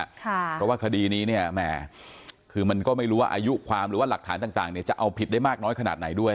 เพราะว่าคดีนี้เนี่ยแหม่คือมันก็ไม่รู้ว่าอายุความหรือว่าหลักฐานต่างเนี่ยจะเอาผิดได้มากน้อยขนาดไหนด้วย